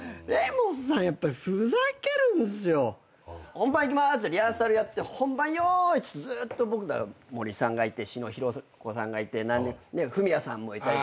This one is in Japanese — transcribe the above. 「本番いきます」ってリハーサルやって「本番用意」森さんがいて篠ひろ子さんがいてフミヤさんもいたりとかして。